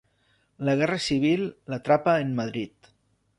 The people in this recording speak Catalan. La Guerra Civil l'atrapa en Madrid.